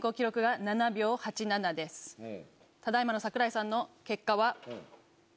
ただ今の櫻井さんの結果は。